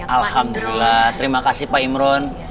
alhamdulillah terima kasih pak imron